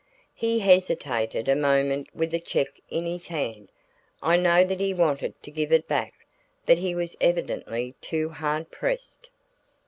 He hesitated a moment with the check in his hand; I know that he wanted to give it back, but he was evidently too hard pressed.